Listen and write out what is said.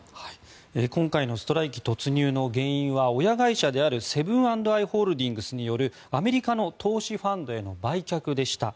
今回のストライキ突入の原因は親会社であるセブン＆アイ・ホールディングスによるアメリカの投資ファンドへの売却でした。